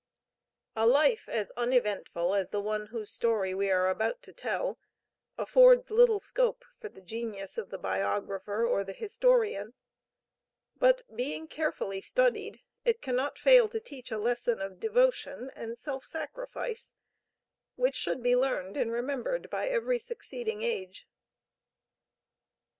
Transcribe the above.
A life as uneventful as the one whose story we are about to tell, affords little scope for the genius of the biographer or the historian, but being carefully studied, it cannot fail to teach a lesson of devotion and self sacrifice, which should be learned and remembered by every succeeding age.